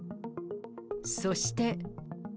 そして。